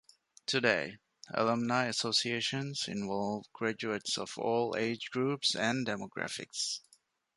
Today, alumni associations involve graduates of all age groups and demographics.